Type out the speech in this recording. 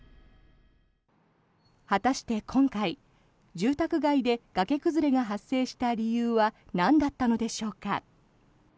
果たして、今回住宅街で崖崩れが発生した理由はなんだったのでしょうか。